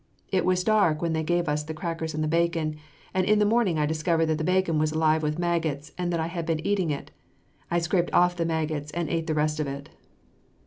It was dark when they gave us the crackers and the bacon, and in the morning I discovered that the bacon was alive with maggots and that I had been eating it. I scraped off the maggots, and ate the rest of it.